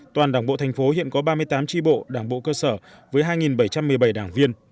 toàn đảng bộ thành phố hiện có ba mươi tám tri bộ đảng bộ cơ sở với hai bảy trăm một mươi bảy đảng viên